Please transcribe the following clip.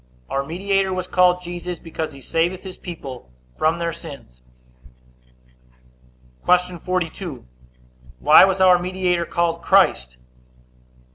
A. Our mediator was called Jesus, because he saveth his people from their sins. Q. 42. Why was our mediator called Christ?